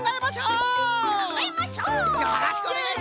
よろしくおねがいしますぞい！